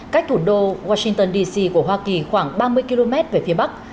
cách thủ đô washington dc của hoa kỳ khoảng ba mươi km về phía bắc